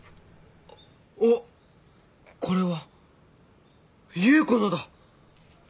あっこれは⁉夕子のだ！